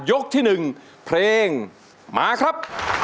ยกที่หนึ่งเพลงมาครับ